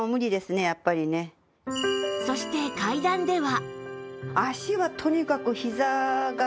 そして階段では